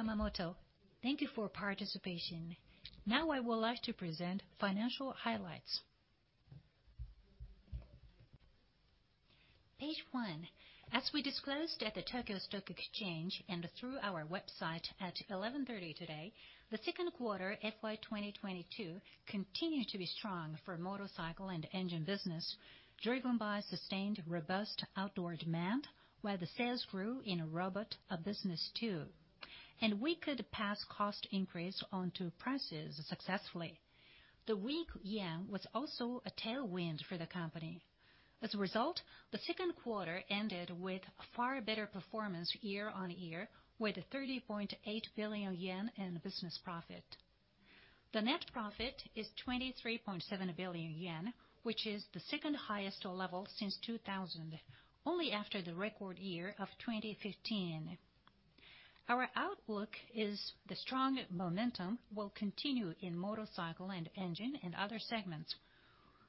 I'm Yamamoto. Thank you for participation. Now I would like to present financial highlights. Page one. As we disclosed at the Tokyo Stock Exchange and through our website at 11:30 A.M. today, the Q2 FY2022 continued to be strong for motorcycle and engine business. Powersports sustained robust outdoor demand, while the sales grew in robot business too, and we could pass cost increase on to prices successfully. The weak Yen was also a tailwind for the company. As a result, the Q2 ended with far better performance year-on-year, with 30.8 billion yen in business profit. The net profit is 23.7 billion yen, which is the second highest level since 2000, only after the record year of 2015. Our outlook is the strong momentum will continue in motorcycle and engine and other segments.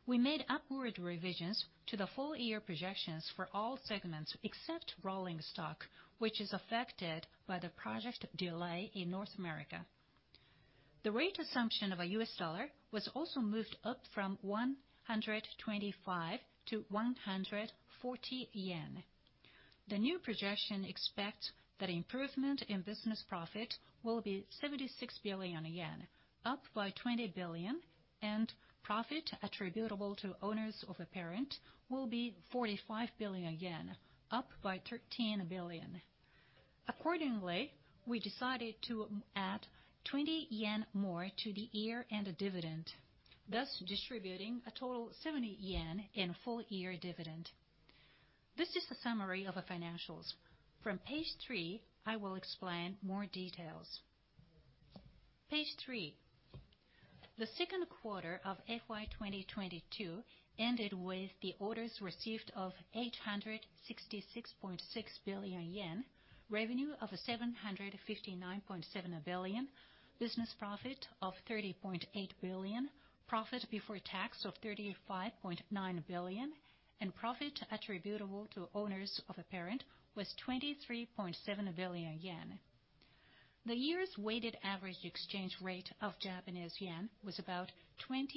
We made upward revisions to the full-year projections for all segments except Rolling Stock, which is affected by the project delay in North America. The rate assumption of a U.S. dollar was also moved up from 125 to ¥140. The new projection expects that improvement in business profit will be 76 billion yen, up by 20 billion, and profit attributable to owners of a parent will be 45 billion yen, up by 13 billion. Accordingly, we decided to add 20 yen more to the year-end dividend, thus distributing a total 70 yen in full-year dividend. This is a summary of the financials. From page 3, I will explain more details. Page 3. The Q2 of FY2022 ended with the orders received of 866.6 billion yen, revenue of 759.7 billion, business profit of 30.8 billion, profit before tax of 35.9 billion, and profit attributable to owners of a parent was 23.7 billion yen. The year's weighted average exchange rate of Japanese yen was about ¥20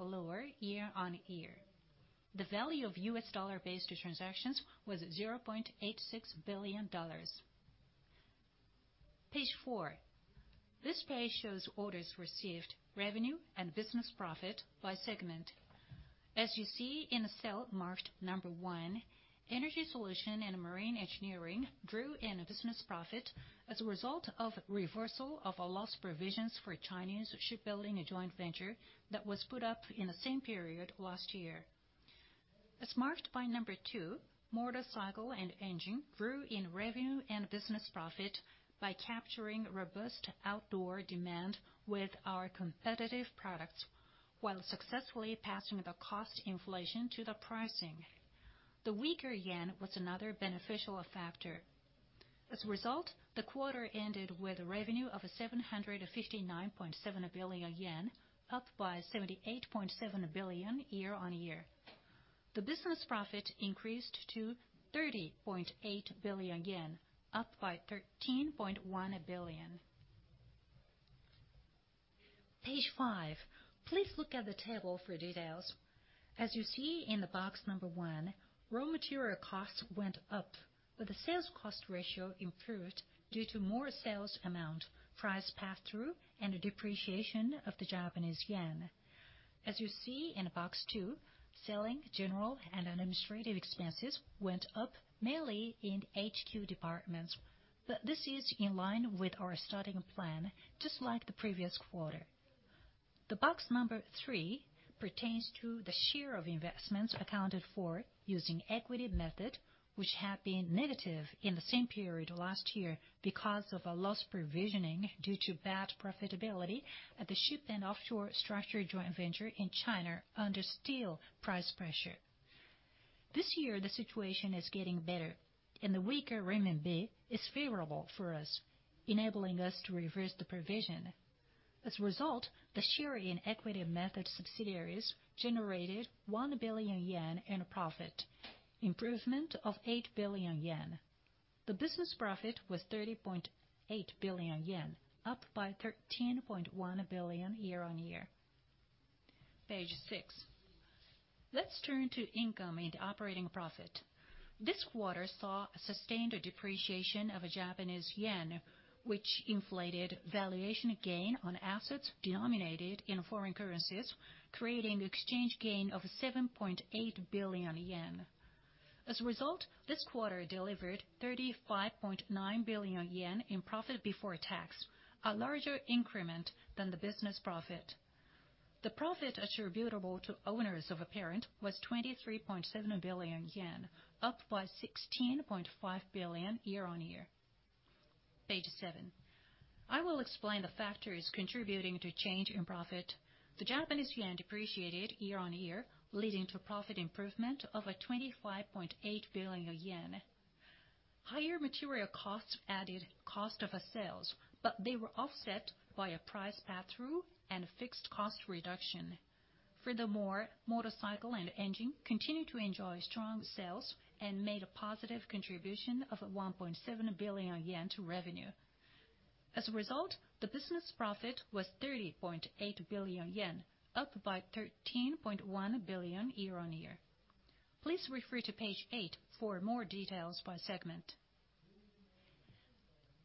lower year on year. The value of U.S. dollar-based transactions was $0.86 billion. Page 4. This page shows orders received, revenue and business profit by segment. As you see in the cell marked number one, Energy Solution & Marine Engineering grew in a business profit as a result of reversal of a loss provisions for Chinese shipbuilding joint venture that was put up in the same period last year. As marked by number 2, motorcycle and engine grew in revenue and business profit by capturing robust outdoor demand with our competitive products while successfully passing the cost inflation to the pricing. The weaker yen was another beneficial factor. As a result, the quarter ended with revenue of 759.7 billion yen, up by 78.7 billion year-on-year. The business profit increased to 30.8 billion yen, up by 13.1 billion. Page 5. Please look at the table for details. As you see in the box number one, raw material costs went up, but the sales cost ratio improved due to more sales amount, price pass-through, and a depreciation of the Japanese yen. As you see in box 2, selling, general and administrative expenses went up mainly in HQ departments. This is in line with our starting plan, just like the previous quarter. The box number 3 pertains to the share of investments accounted for using equity method, which had been negative in the same period last year because of a loss provisioning due to bad profitability at the ship and offshore structure joint venture in China under steel price pressure. This year, the situation is getting better, and the weaker renminbi is favorable for us, enabling us to reverse the provision. As a result, the share in equity method subsidiaries generated 1 billion yen in profit, improvement of 8 billion yen. The business profit was 30.8 billion yen, up by 13.1 billion year-on-year. Page 6. Let's turn to income and operating profit. This quarter saw a sustained depreciation of the Japanese yen, which inflated valuation gain on assets denominated in foreign currencies, creating exchange gain of 7.8 billion yen. As a result, this quarter delivered 35.9 billion yen in profit before tax, a larger increment than the business profit. The profit attributable to owners of the parent was 23.7 billion yen, up by 16.5 billion year-on-year. Page 7. I will explain the factors contributing to the change in profit. The Japanese yen depreciated year-on-year, leading to profit improvement of 25.8 billion yen. Higher material costs added to cost of sales, but they were offset by a price pass-through and fixed cost reduction. Furthermore, Powersports & Engine continued to enjoy strong sales and made a positive contribution of 1.7 billion yen to profit. As a result, the business profit was 30.8 billion yen, up by 13.1 billion year-on-year. Please refer to page 8 for more details by segment.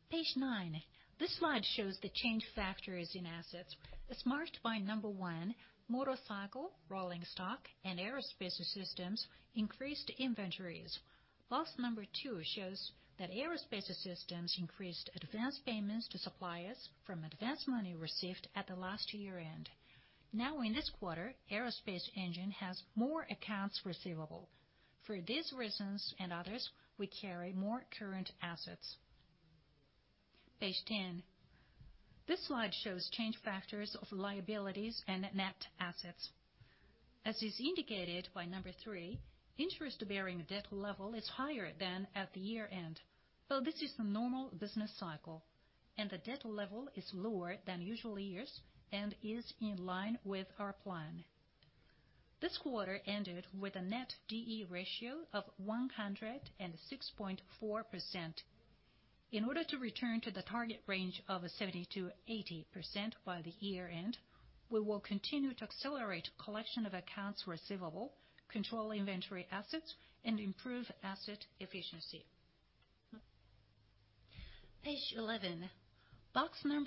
Page 9. This slide shows the change factors in assets. As marked by number 1, motorcycle, Rolling Stock, and Aerospace Systems increased inventories. Box number 2 shows that Aerospace Systems increased advance payments to suppliers from advance money received at the last year-end. Now, in this quarter, Aero Engine has more accounts receivable. For these reasons and others, we carry more current assets. Page 10. This slide shows change factors of liabilities and net assets. As is indicated by number 3, interest-bearing debt level is higher than at the year-end, though this is the normal business cycle, and the debt level is lower than usual years and is in line with our plan. This quarter ended with a net D/E ratio of 106.4%. In order to return to the target range of 70%-80% by the year-end, we will continue to accelerate collection of accounts receivable, control inventory assets, and improve asset efficiency. Page 11. Box 1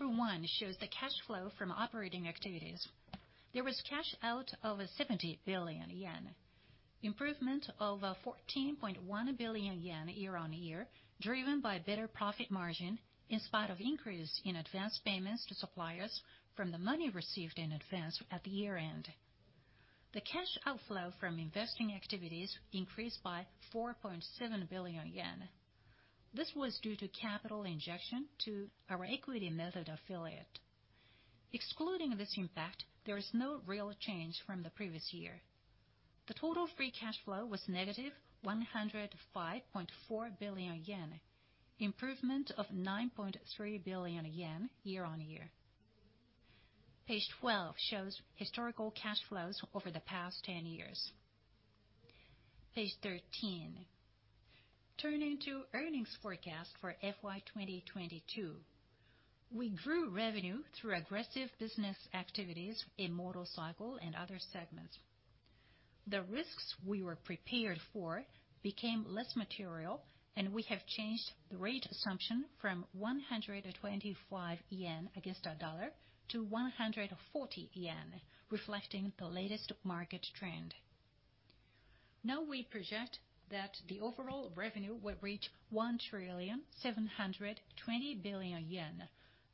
shows the cash flow from operating activities. There was cash outflow of 70 billion yen, improvement of 14.1 billion yen year-on-year, driven by better profit margin in spite of increase in advanced payments to suppliers from the money received in advance at the year-end. The cash outflow from investing activities increased by 4.7 billion yen. This was due to capital injection to our equity method affiliate. Excluding this impact, there is no real change from the previous year. The total free cash flow was -105.4 billion yen, improvement of 9.3 billion yen year-on-year. Page 12 shows historical cash flows over the past 10 years. Page 13. Turning to earnings forecast for FY2022. We grew revenue through aggressive business activities in motorcycle and other segments. The risks we were prepared for became less material, and we have changed the rate assumption from ¥125 against the dollar to ¥140, reflecting the latest market trend. Now, we project that the overall revenue will reach 1,720 billion yen,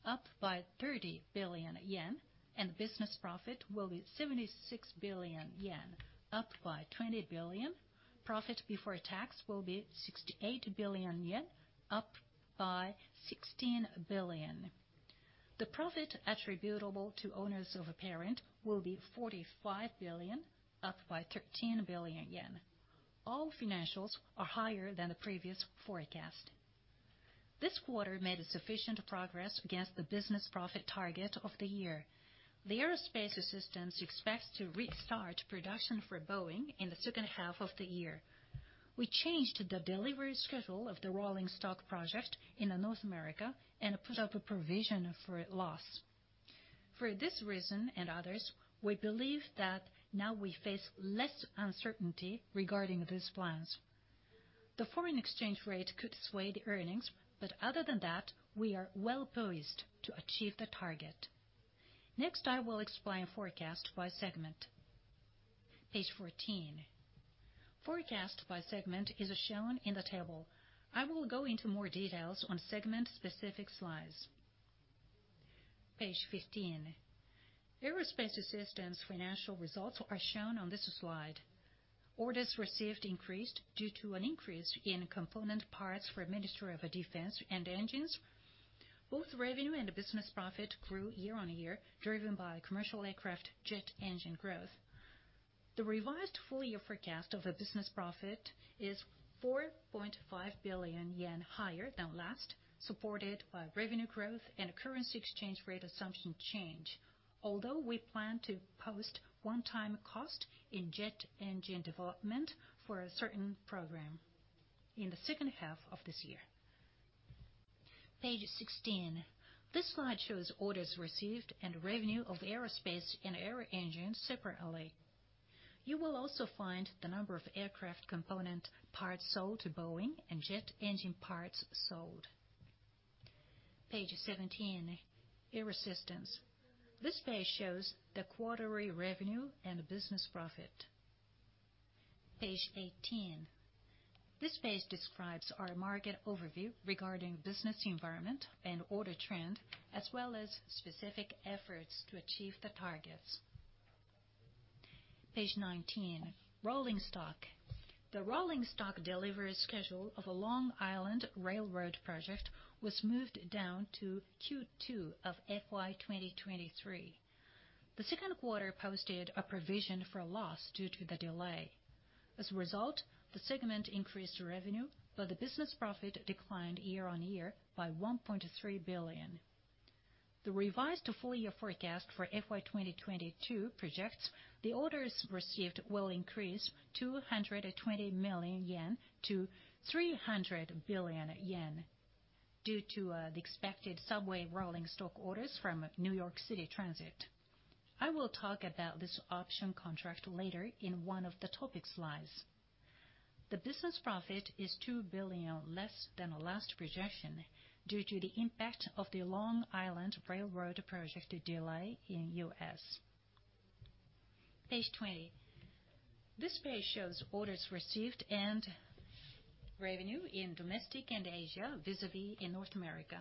up by 30 billion yen, and business profit will be 76 billion yen, up by 20 billion. Profit before tax will be 68 billion yen, up by 16 billion. The profit attributable to owners of a parent will be 45 billion, up by JPY ¥13 billion. All financials are higher than the previous forecast. This quarter made sufficient progress against the business profit target of the year. The Aerospace Systems expects to restart production for Boeing in the H2 of the year. We changed the delivery schedule of the Rolling Stock project in North America and put up a provision for loss. For this reason and others, we believe that now we face less uncertainty regarding these plans. The foreign exchange rate could sway the earnings, but other than that, we are well poised to achieve the target. Next, I will explain forecast by segment. Page 14. Forecast by segment is shown in the table. I will go into more details on segment specific slides. Page 15. Aerospace Systems financial results are shown on this slide. Orders received increased due to an increase in component parts for Ministry of Defense and engines. Both revenue and business profit grew year-on-year, driven by commercial aircraft jet engine growth. The revised full year forecast of a business profit is 4.5 billion yen higher than last, supported by revenue growth and currency exchange rate assumption change. Although we plan to post one-time cost in jet engine development for a certain program in the H2 of this year. Page 16. This slide shows orders received and revenue of Aerospace and Aero Engine separately. You will also find the number of aircraft component parts sold to Boeing and jet engine parts sold. Page 17. Aerospace Systems. This page shows the quarterly revenue and business profit. Page 18. This page describes our market overview regarding business environment and order trend, as well as specific efforts to achieve the targets. Page 19. Rolling stock. The rolling stock delivery schedule of a Long Island Rail Road project was moved down to Q2 of FY2023. The Q2 posted a provision for loss due to the delay. As a result, the segment increased revenue, but the business profit declined year-over-year by 1.3 billion. The revised full year forecast for FY2022 projects the orders received will increase 220 million yen to 300 billion yen due to the expected subway rolling stock orders from New York City Transit. I will talk about this option contract later in one of the topic slides. The business profit is 2 billion less than last projection due to the impact of the Long Island Rail Road project delay in U.S. Page 20. This page shows orders received and revenue in domestic and Asia vis-à-vis in North America.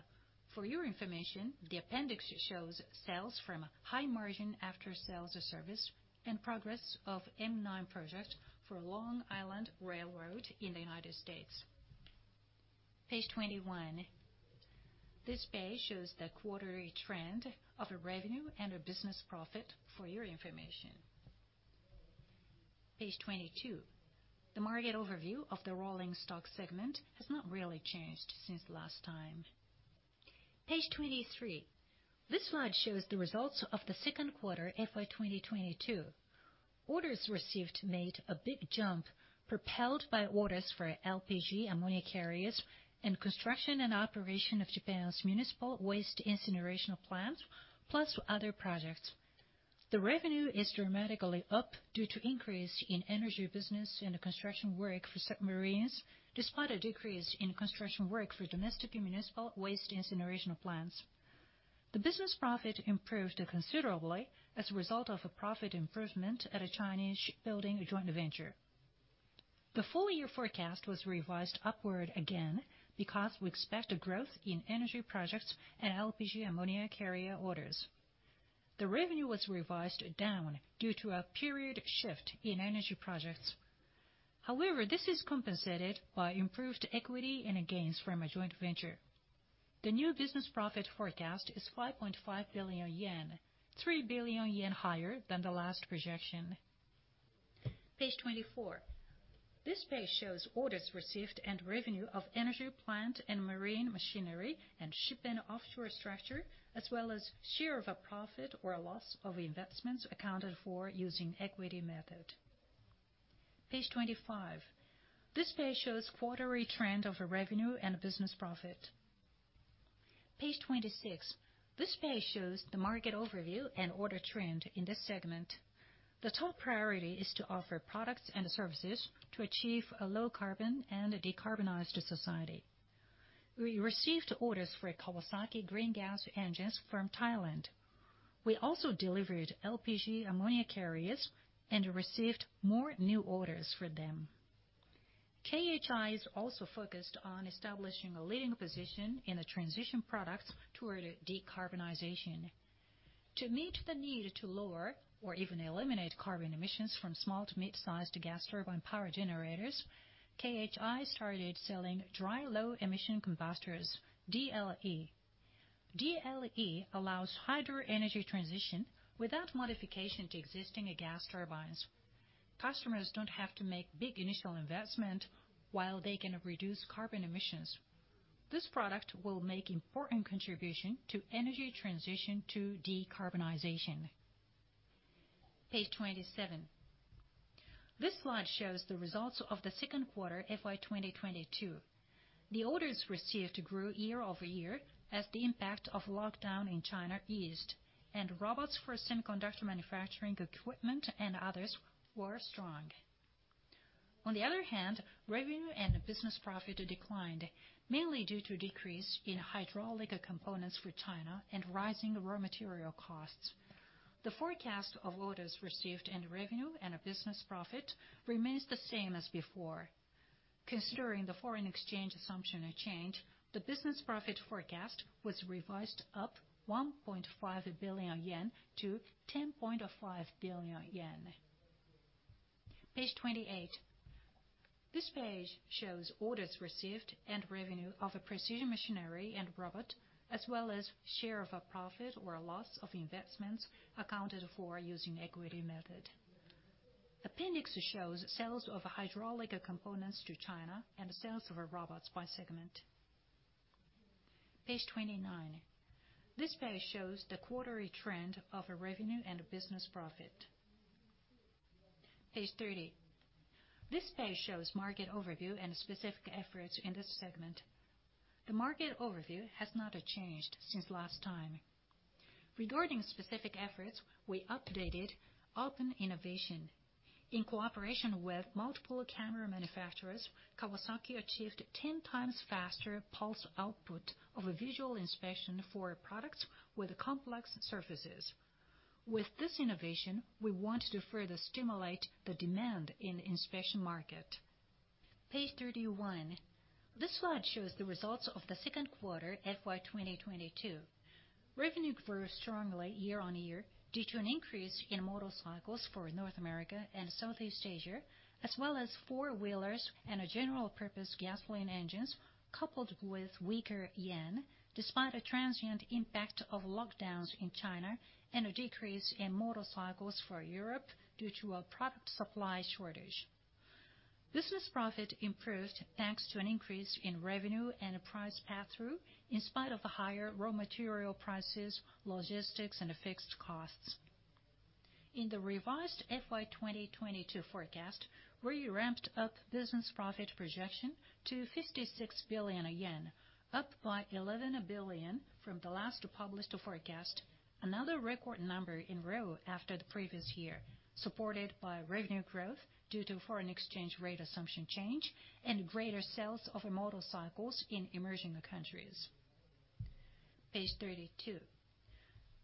For your information, the appendix shows sales from high margin after sales service and progress of M9 project for Long Island Rail Road in the United States. Page 21. This page shows the quarterly trend of the revenue and the business profit for your information. Page 22. The market overview of the rolling stock segment has not really changed since last time. Page 23. This slide shows the results of the Q2 FY 2022. Orders received made a big jump propelled by orders for LPG/ammonia carriers and construction and operation of Japan's municipal waste incineration plants, plus other projects. The revenue is dramatically up due to increase in energy business and the construction work for submarines, despite a decrease in construction work for domestic municipal waste incineration plants. The business profit improved considerably as a result of a profit improvement at a Chinese shipbuilding joint venture. The full year forecast was revised upward again because we expect a growth in energy projects and LPG/ammonia carrier orders. The revenue was revised down due to a period shift in energy projects. However, this is compensated by improved equity and gains from a joint venture. The new business profit forecast is 5.5 billion yen, 3 billion yen higher than the last projection. Page 24. This page shows orders received and revenue of energy plant and marine machinery and ship and offshore structure, as well as share of a profit or a loss of investments accounted for using equity method. Page 25. This page shows quarterly trend of our revenue and business profit. Page 26. This page shows the market overview and order trend in this segment. The top priority is to offer products and services to achieve a low carbon and a decarbonized society. We received orders for Kawasaki Green Gas Engines from Thailand. We also delivered LPG/ammonia carriers and received more new orders for them. KHI is also focused on establishing a leading position in the transition products toward decarbonization. To meet the need to lower or even eliminate carbon emissions from small to mid-sized gas turbine power generators, KHI started selling Dry Low Emission combustors, DLE. DLE allows hydrogen energy transition without modification to existing gas turbines. Customers don't have to make big initial investment while they can reduce carbon emissions. This product will make important contribution to energy transition to decarbonization. Page 27. This slide shows the results of the Q2 FY 2022. Orders received grew year-over-year as the impact of lockdown in China eased, and robots for semiconductor manufacturing equipment and others were strong. On the other hand, revenue and business profit declined, mainly due to decrease in hydraulic components for China and rising raw material costs. The forecast of orders received, revenue, and business profit remains the same as before. Considering the foreign exchange assumption change, the business profit forecast was revised up 1.5 billion yen to 10.5 billion yen. Page 28. This page shows orders received and revenue of Precision Machinery & Robot, as well as share of a profit or a loss of investments accounted for using equity method. Appendix shows sales of hydraulic components to China and sales of our robots by segment. Page 29. This page shows the quarterly trend of a revenue and a business profit. Page 30. This page shows market overview and specific efforts in this segment. The market overview has not changed since last time. Regarding specific efforts, we updated open innovation. In cooperation with multiple camera manufacturers, Kawasaki achieved 10 times faster pulse output of a visual inspection for products with complex surfaces. With this innovation, we want to further stimulate the demand in inspection market. Page 31. This slide shows the results of the Q2 FY 2022. Revenue grew strongly year on year due to an increase in motorcycles for North America and Southeast Asia, as well as 4-wheelers and general purpose gasoline engines, coupled with weaker yen, despite a transient impact of lockdowns in China and a decrease in motorcycles for Europe due to a product supply shortage. Business profit improved thanks to an increase in revenue and a price pass-through in spite of the higher raw material prices, logistics, and fixed costs. In the revised FY2022 forecast, we ramped up business profit projection to 56 billion yen, qup by 11 billion from the last published forecast, another record number in a row after the previous year, supported by revenue growth due to foreign exchange rate assumption change and greater sales of motorcycles in emerging countries. Page 32.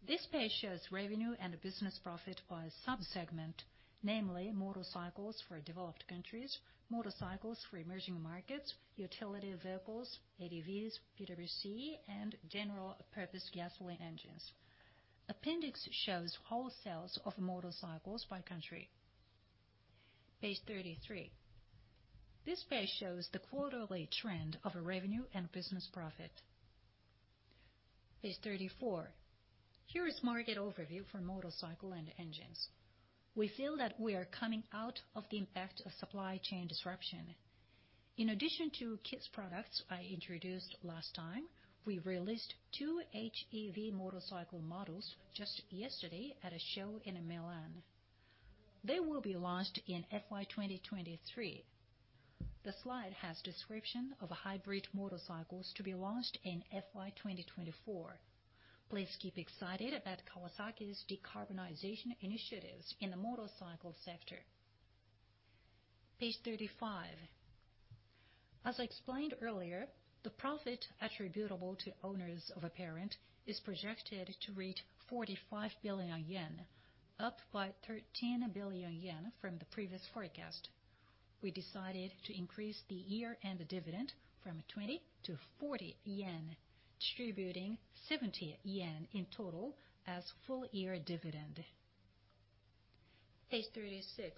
This page shows revenue and business profit by sub-segment, namely motorcycles for developed countries, motorcycles for emerging markets, utility vehicles, ADVs, PWC, and general purpose gasoline engines. Appendix shows wholesales of motorcycles by country. Page 33. This page shows the quarterly trend of revenue and business profit. Page 34. Here is market overview for motorcycle and engines. We feel that we are coming out of the impact of supply chain disruption. In addition to kids products I introduced last time, we released 2 HEV motorcycle models just yesterday at a show in Milan. They will be launched in FY 2023. The slide has description of hybrid motorcycles to be launched in FY 2024. Please keep excited about Kawasaki's decarbonization initiatives in the motorcycle sector. Page 35. As I explained earlier, the profit attributable to owners of a parent is projected to reach 45 billion yen, up by 13 billion yen from the previous forecast. We decided to increase the year-end dividend from 20 to 40 yen, distributing 70 yen in total as full year dividend. Page 36.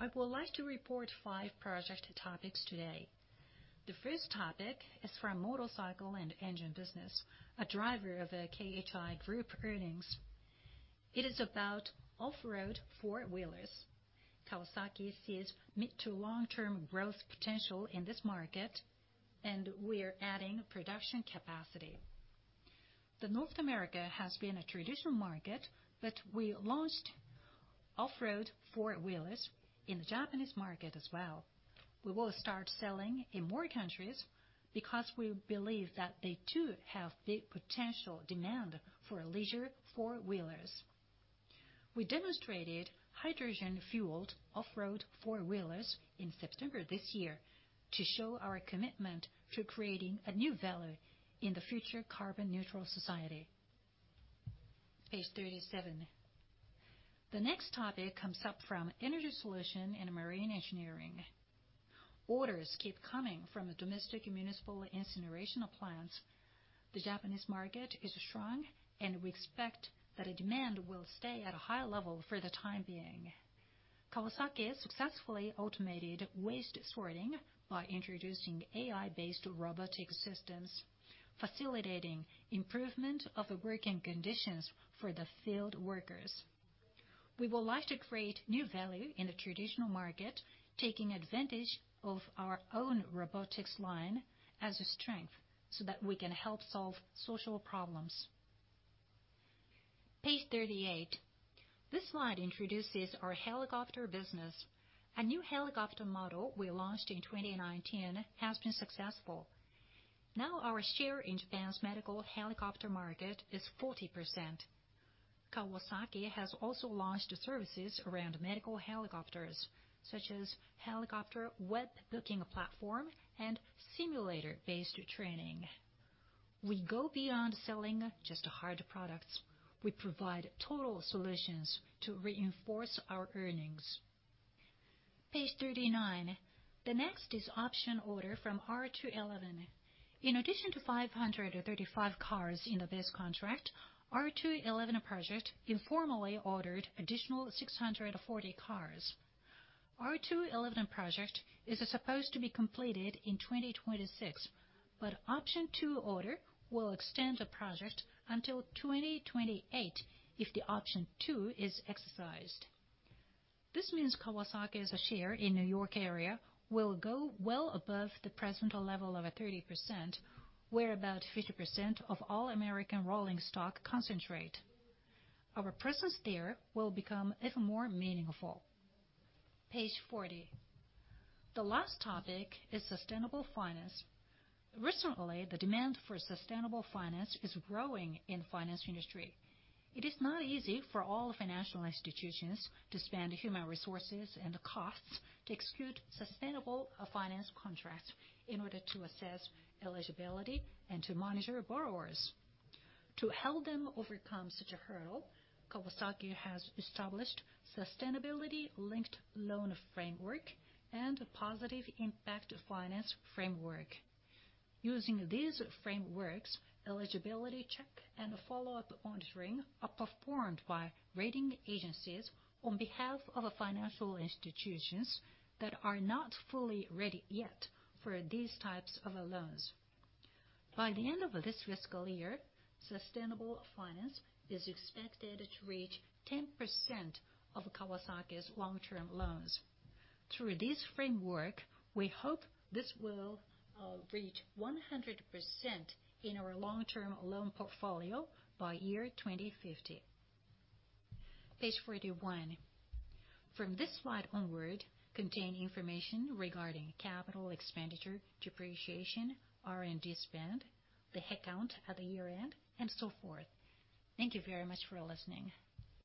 I would like to report 5 project topics today. The first topic is from motorcycle and engine business, a driver of the KHI Group earnings. It is about off-road 4-wheelers. Kawasaki sees mid to long-term growth potential in this market, and we are adding production capacity. North America has been a traditional market, but we launched off-road 4-wheelers in the Japanese market as well. We will start selling in more countries because we believe that they too have the potential demand for leisure 4-wheelers. We demonstrated hydrogen fueled off-road 4-wheelers in September this year to show our commitment to creating a new value in the future carbon neutral society. Page 37. The next topic comes up from Energy Solution & Marine Engineering. Orders keep coming from the domestic municipal incinerational plants. The Japanese market is strong, and we expect that the demand will stay at a high level for the time being. Kawasaki successfully automated waste sorting by introducing AI-based robotic systems, facilitating improvement of the working conditions for the field workers. We would like to create new value in the traditional market, taking advantage of our own robotics line as a strength so that we can help solve social problems. Page 38. This slide introduces our helicopter business. A new helicopter model we launched in 2019 has been successful. Now our share in Japan's medical helicopter market is 40%. Kawasaki has also launched services around medical helicopters, such as helicopter web booking platform and simulator-based training. We go beyond selling just hard products. We provide total solutions to reinforce our earnings. Page 39. The next is option order from R211. In addition to 535 cars in the base contract, R211 project informally ordered additional 640 cars. R211 project is supposed to be completed in 2026, but option 2 order will extend the project until 2028 if the option 2 is exercised. This means Kawasaki's share in New York area will go well above the present level of 30%, where about 50% of all American rolling stock concentrate. Our presence there will become even more meaningful. Page 40. The last topic is sustainable finance. Recently, the demand for sustainable finance is growing in the finance industry. It is not easy for all financial institutions to spend human resources and costs to execute sustainable finance contracts in order to assess eligibility and to monitor borrowers. To help them overcome such a hurdle, Kawasaki has established Sustainability Linked Loan Framework and Positive Impact Finance framework. Using these frameworks, eligibility check and follow-up monitoring are performed by rating agencies on behalf of financial institutions that are not fully ready yet for these types of loans. By the end of this fiscal year, sustainable finance is expected to reach 10% of Kawasaki's long-term loans. Through this framework, we hope this will reach 100% in our long-term loan portfolio by year 2050. Page 41. From this slide onward contain information regarding capital expenditure, depreciation, R&D spend, the headcount at the year-end, and so forth. Thank you very much for listening.